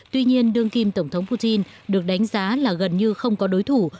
tuy nhiên đương kim tổng thống putin được đánh giá là gần như không có đối thủ